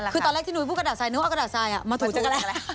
คือตอนแรกที่นุ้ยพูดกระดาษสายนุ้ยเอากระดาษสายอ่ะมาถูกกันแหละ